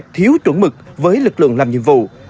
thiếu trưởng mực với lực lượng làm giải